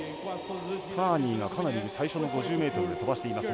カーニーがかなり最初の５０ｍで飛ばしています。